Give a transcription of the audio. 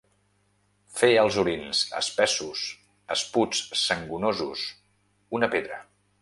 Fer els orins espessos, esputs sangonosos, una pedra.